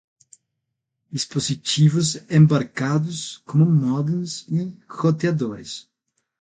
dispositivos embarcados, como modens e roteadores